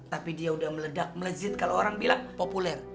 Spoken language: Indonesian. tapi dia udah meledak melejit kalau orang bilang populer